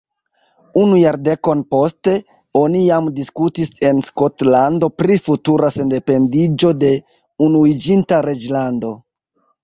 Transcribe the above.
Unu jardekon poste, oni jam diskutis en Skotlando pri futura sendependiĝo de Unuiĝinta Reĝlando.